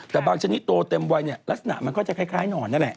แต่บางชนิดโตเต็มวัยเนี่ยลักษณะมันก็จะคล้ายหนอนนั่นแหละ